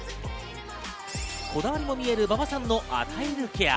こだわりも見える馬場さんの与えるケア。